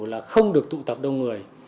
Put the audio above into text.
là không được tụ tập đông người